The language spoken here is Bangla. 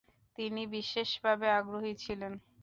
তিনি বিশেষভাবে আগ্রহী ছিলেন।